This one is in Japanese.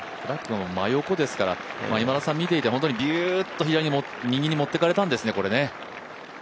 真横ですから、見ていて、ビューと右に持っていかれたんですね？